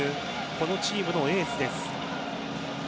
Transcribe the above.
このチームのエースです。